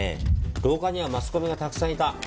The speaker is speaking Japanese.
廊下にはマスコミがたくさんいた。